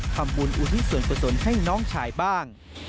คำบูลอุทิศวนภ์บริษนให้น้องชายบ้าง